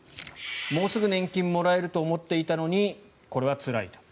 もうすぐ年金もらえると思っていたのにこれはつらいと。